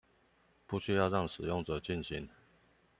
不需要讓使用者進行